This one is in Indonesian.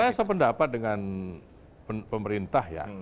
saya sependapat dengan pemerintah ya